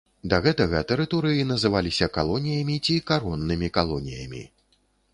Да гэтага тэрыторыі называліся калоніямі ці кароннымі калоніямі.